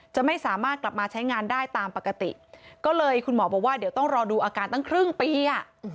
จะไม่สามารถกลับมาใช้งานได้ตามปกติก็เลยคุณหมอบอกว่าเดี๋ยวต้องรอดูอาการตั้งครึ่งปีอ่ะ